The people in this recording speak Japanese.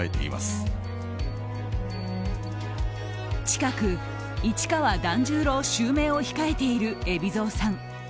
近く市川團十郎襲名を控えている海老蔵さん。